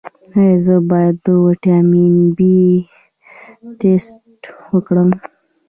ایا زه باید د ویټامین بي ټسټ وکړم؟